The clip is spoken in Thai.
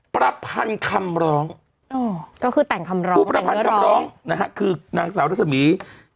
ประพันธุ์คำร้องก็คือแต่งคำร้องคือนางสาวรัศมีย์